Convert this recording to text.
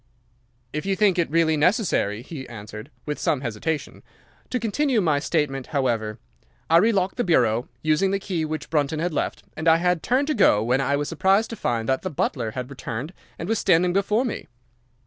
"'If you think it really necessary,' he answered, with some hesitation. 'To continue my statement, however: I relocked the bureau, using the key which Brunton had left, and I had turned to go when I was surprised to find that the butler had returned, and was standing before me.